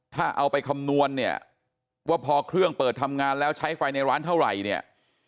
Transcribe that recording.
ถ้าเอาไปคำนวณเนี่ยว่าพอเครื่องเปิดทำงานแล้วใช้ไฟในร้านเท่าไหร่เนี่ย